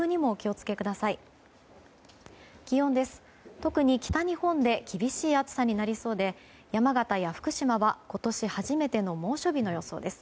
特に北日本で厳しい暑さになりそうで山形や福島は今年初めての猛暑日の予想です。